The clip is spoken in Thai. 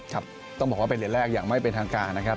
ครับต้องบอกว่าเป็นเหรียญแรกอย่างไม่เป็นทางการนะครับ